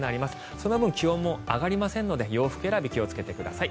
その分気温も上がりませんので洋服選び気をつけてください。